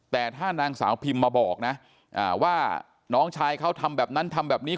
แต่ถ้านางสาวพิมมาบอกนะว่าน้องชายเขาทำแบบนั้นทำแบบนี้